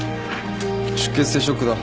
出血性ショックだ。